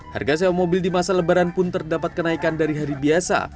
harga sewa mobil di masa lebaran pun terdapat kenaikan dari hari biasa